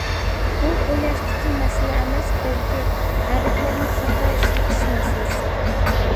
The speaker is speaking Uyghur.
بۇ بوياشتىكى مەسىلە ئەمەس، بەلكى ھەرپلەرنى خاتا ئىشلىتىش مەسىلىسى.